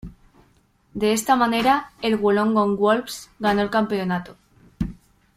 De esta manera el Wollongong Wolves ganó el campeonato.